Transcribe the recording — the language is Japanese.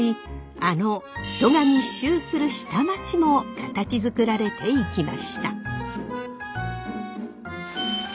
あの人が密集する下町も形づくられていきました。